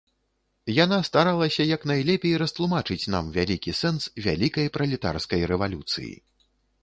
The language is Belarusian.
Яна старалася як найлепей растлумачыць нам вялікі сэнс вялікай пралетарскай рэвалюцыі.